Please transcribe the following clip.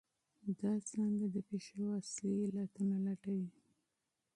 دا څانګه د پېښو اصلي علتونه لټوي.